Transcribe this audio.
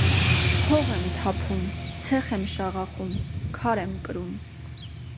հող եմ թափում, ցեխ եմ շաղախում, քար եմ կրում…